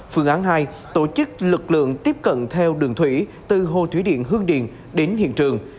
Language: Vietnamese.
phương án hai tổ chức lực lượng tiếp cận theo đường thủy từ hồ thủy điện hương điền đến hiện trường